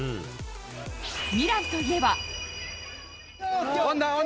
ミランといえば。